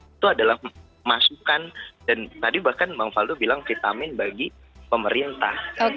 itu adalah masukan dan tadi bahkan bang faldo bilang vitamin bagi pemerintah